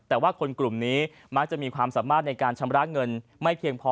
แต่ว่าคนกลุ่มนี้มักจะมีความสามารถในการชำระเงินไม่เพียงพอ